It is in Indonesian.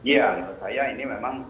ya menurut saya ini memang